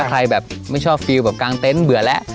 ใครแบบไม่ชอบฟิลแบบกลางเต็นต์เบื่อแล้ว